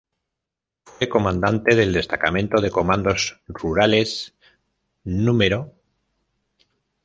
Fue Comandante del Destacamento de Comandos Rurales Nro.